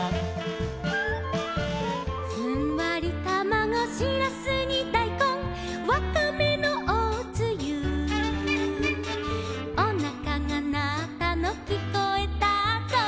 「ふんわりたまご」「しらすにだいこん」「わかめのおつゆ」「おなかがなったのきこえたぞ」